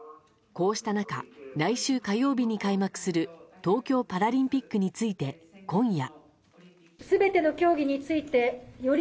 こうした中来週火曜日に開幕する東京パラリンピックについて今夜。